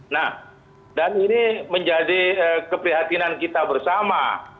nah dan ini menjadi keprihatinan kita bersama